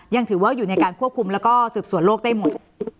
ยังถือว่าอยู่ในการควบคุมแล้วก็สืบสวนโลกได้หมด